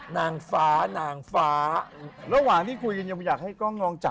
นี่นะฮะ